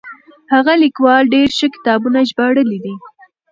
هغه ليکوال ډېر ښه کتابونه ژباړلي دي.